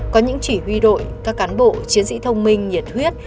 có những chỉ huy đội các cán bộ chiến sĩ thông minh nhiệt huyết